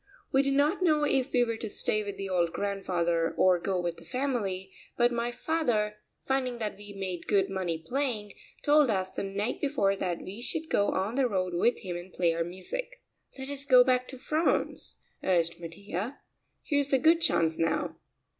We did not know if we were to stay with the old grandfather or go with the family, but my father, finding that we made good money playing, told us the night before that we should go on the road with him and play our music. "Let us go back to France," urged Mattia; "here's a good chance now."